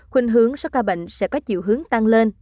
khuyên hướng số ca bệnh sẽ có chiều hướng tăng lên